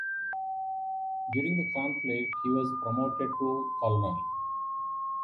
During the conflict, he was promoted to colonel.